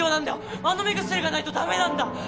あの目薬がないと駄目なんだ！